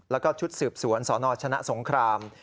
แล้วก็ชุดสืบสวนสนชนะสงคราม